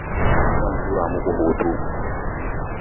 zan tura muku hoto